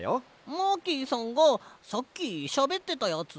マーキーさんがさっきしゃべってたやつ？